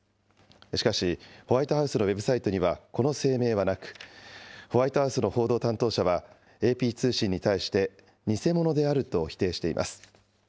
しかし、ホワイトハウスのウェブサイトにはこの声明はなく、ホワイトハウスの報道担当者は、ＡＰ通信に対して、偽物であると否定しています。